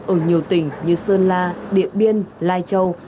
ở nhiều tỉnh như sơn la điện biên lai châu